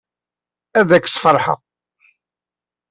Ad k-sfeṛḥeɣ.